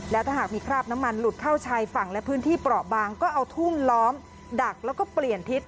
แล้วถ้าหากมีคราบน้ำมันหลุดเข้าชายฝั่งและพื้นที่เปราะบางก็เอาทุ่นล้อมดักแล้วก็เปลี่ยนทิศ